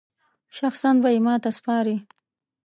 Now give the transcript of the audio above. شخصاً به یې ماته سپاري.